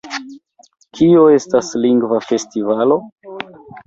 Kio estas Lingva Festivalo?